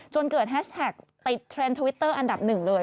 จนเกิดแฮชแท็กติดเทรนด์ทวิตเตอร์อันดับหนึ่งเลย